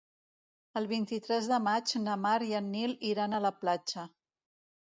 El vint-i-tres de maig na Mar i en Nil iran a la platja.